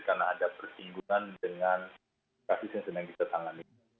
karena ada persinggungan dengan kasus yang sebenarnya kita tangani